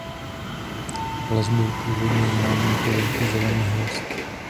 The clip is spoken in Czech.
Les byl původně znám jako Velký zelený hvozd.